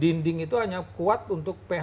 dinding itu hanya kuat untuk ph empat enam